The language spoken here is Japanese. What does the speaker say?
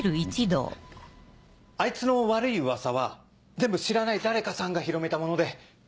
あいつの悪い噂は全部知らない誰かさんが広めたもので。